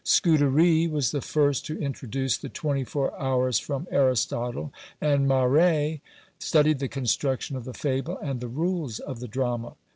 Scudery was the first who introduced the twenty four hours from Aristotle; and Mairet studied the construction of the fable, and the rules of the drama.